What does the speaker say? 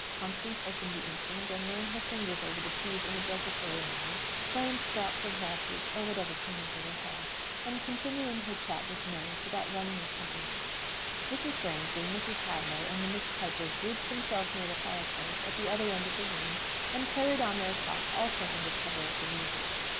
Constance opened the instrument and ran her fingers over the keys in a desultory manner, playing scraps of waltzes or whatever came into her head, and continuing her chat with May to that running accompaniment. Mrs. Bransby, Mrs. Hadlow, and the Miss Pipers grouped themselves near the fireplace at the other end of the room, and carried on their talk also under cover of the music.